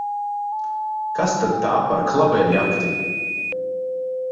Kas tad tā par klaberjakti!